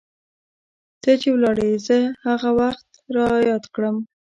ته چې ولاړي زه هغه وخت رایاد کړم